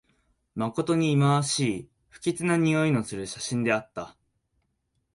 まことにいまわしい、不吉なにおいのする写真であった